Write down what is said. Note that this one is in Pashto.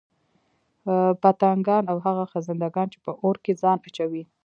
پتنگان او هغه خزندګان چې په اور كي ځان اچوي